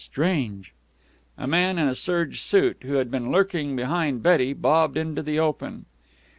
Strange!" A man in a serge suit, who had been lurking behind Betty, bobbed into the open.